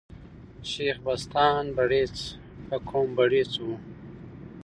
شېخ بستان برېڅ په قوم بړېڅ ؤ.